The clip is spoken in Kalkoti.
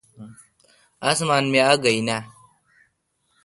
اسمان می آگو این اے۔